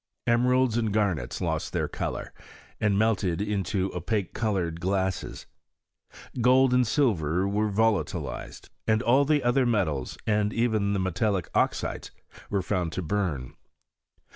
Emeralds and garnets lost their colour, and melted into opaque coloured glasses. Gold and silver were volatilized ; all the other metals, and even the metallic oxides, were found to burn.